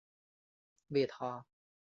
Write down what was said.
为她煎中药